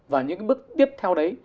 và những cái bước tiếp theo đấy